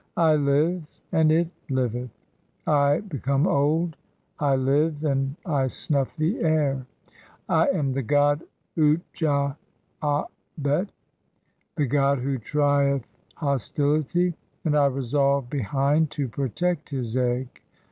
I live ; and it liveth ; (4) I become old, "I live, and I snuff the air. I am the god Utcha aabet (;'. e., the "god who trieth hostility), and I revolve behind [to protect] his "egg.